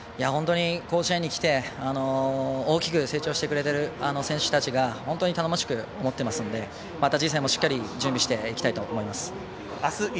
本当に甲子園に来て大きく成長してくれている選手たちを本当に頼もしく思っていますので次戦もしっかり準備していきたいと思います。